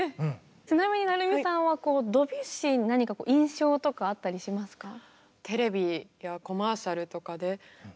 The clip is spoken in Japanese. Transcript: ちなみに成海さんはドビュッシーに何か印象とかあったりしますか？